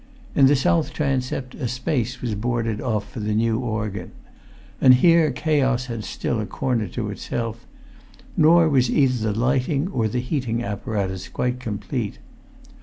In the south transept, a space was boarded off for the new organ; and here chaos had still a corner to itself; nor was either the lighting or the heating apparatus quite complete.